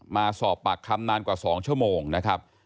มาสอบปากคำนานกว่า๒ชั่วโมงนะครับ